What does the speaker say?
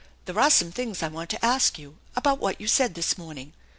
There are some things I want to ask you, about what you said this morning.